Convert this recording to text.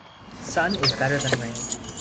Sun is better than rain.